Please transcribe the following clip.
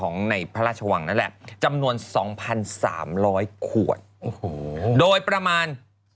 ในพระราชวังนั่นแหละจำนวน๒๓๐๐ขวดโดยประมาณ